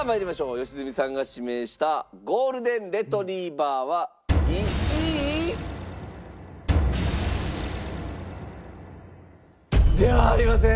良純さんが指名したゴールデン・レトリーバーは１位？ではありません。